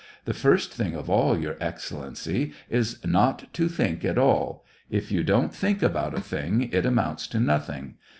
The first thing of all. Your Excellency, is not to tJiink at all. If you don't think about a thing, it amounts to nothing.